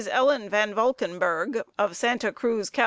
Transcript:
Ellen Van Valkenburg, of Santa Cruz, Cal.